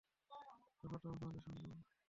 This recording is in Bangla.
কারণ, বর্তমানে মুসলমানদের সংখ্যা তাদের প্রায় চারগুণ।